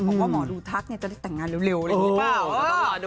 ผมว่าหมอดูทักเนี้ยจะได้แต่งงานเร็วเร็วเออต้องรอดู